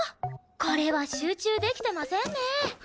これは集中できてませんね。